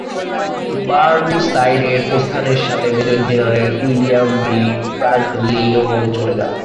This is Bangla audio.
বার্নসাইডের প্রস্থানের সাথে মেজর জেনারেল উইলিয়াম বি. ফ্রাঙ্কলিনও চলে যান।